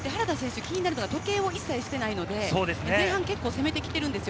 原田選手、気になるのか時計を一切していないので、前半攻めているんですよ。